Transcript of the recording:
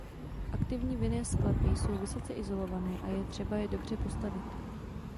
Aktivní vinné sklepy jsou vysoce izolované a je třeba je dobře postavit.